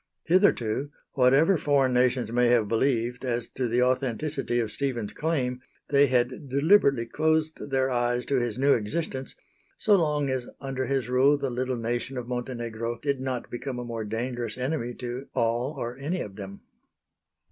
Hitherto, whatever foreign nations may have believed as to the authenticity of Stephen's claim, they had deliberately closed their eyes to his new existence, so long as under his rule the little nation of Montenegro did not become a more dangerous enemy to all or any of them.